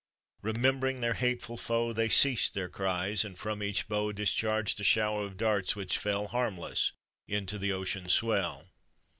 Remembering their hateful foe They ceased their cries, and from each bow Discharged a shower of darts which fell Harmless into the ocean's swell.